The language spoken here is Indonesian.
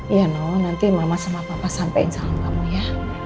iya noh nanti mama sama papa sampein salam kamu ya